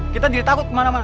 kita ditakut kemana mana